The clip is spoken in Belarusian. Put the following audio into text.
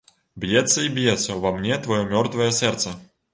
Б'ецца і б'ецца ўва мне тваё мёртвае сэрца.